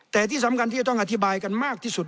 แต่ที่สำคัญที่จะต้องอธิบายกันมากที่สุด